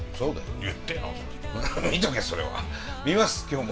見ます今日も。